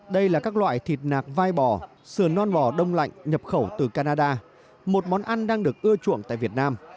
đây là các loại thịt nạc vai bò sườn non mò đông lạnh nhập khẩu từ canada một món ăn đang được ưa chuộng tại việt nam